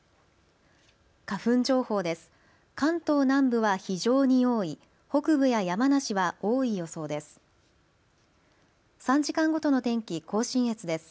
花粉情報です。